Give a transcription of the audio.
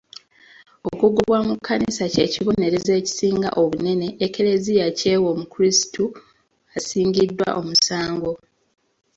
Okugobwa mu kkanisa ky'ekibonerezo ekisinga obunene e Kleziya ky'ewa omukrisitu asingiddwa omusango.